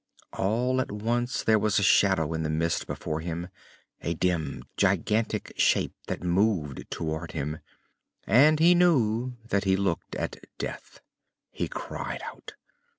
All at once there was a shadow in the mist before him, a dim gigantic shape that moved toward him, and he knew that he looked at death. He cried out....